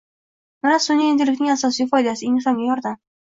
Mana, sunʼiy intellektning asosiy foydasi. Insonga yordam.